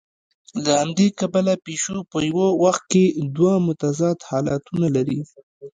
له همدې کبله پیشو په یوه وخت کې دوه متضاد حالتونه لري.